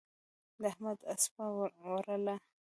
د احمد اسپه ورله ده.